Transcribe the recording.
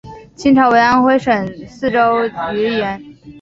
清朝为安徽省泗州盱眙。